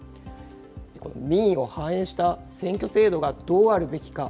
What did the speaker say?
この民意を反映した選挙制度がどうあるべきか。